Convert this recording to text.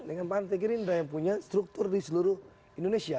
dengan partai gerindra yang punya struktur di seluruh indonesia